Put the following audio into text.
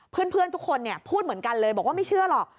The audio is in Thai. เพื่อนทุกคนพูดเหมือนกันเลยบอกว่าไม่เชื่อหรอก